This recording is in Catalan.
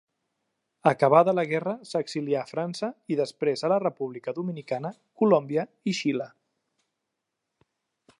Acabada la guerra s'exilià a França i després a la República Dominicana, Colòmbia i Xile.